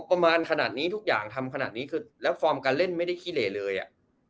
ประมาณขนาดนี้ทุกอย่างทำขนาดนี้คือแล้วฟอร์มการเล่นไม่ได้ขี้เหลเลยอ่ะ